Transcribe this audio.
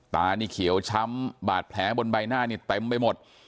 ตานี่เขียวช้ำบาดแผลบนใบหน้านี่เต็มไปหมด